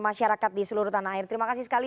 masyarakat di seluruh tanah air terima kasih sekali